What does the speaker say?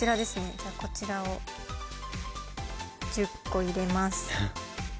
じゃあこちらを１０個入れます